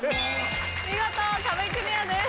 見事壁クリアです。